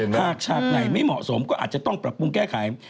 ฉากไหนไม่เหมาะสมก็อาจจะต้องปรับปรุงแก้ไข